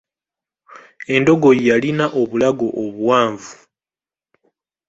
Endogoyi yalina obulago obuwanvu.